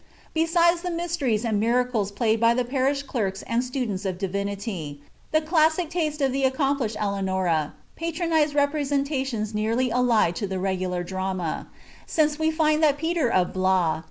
Besides the Mv4l«riea and Miracles played hy the parish clerks and siudenis of imity, ^e classic taste of the accomplished Eleanora patronized repre irjttions nearly allied to the regular drama; since we find thai Peter ■■'■ Hlnis.'